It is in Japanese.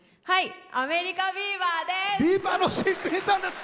アメリカビーバーです！